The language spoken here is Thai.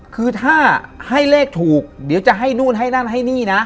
คือถ้าให้เลขถูกเดี๋ยวจะให้นู่นให้นั่นให้นี่นะ